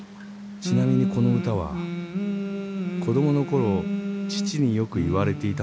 ちなみにこの歌は子供のころ父によく言われていたんですよね］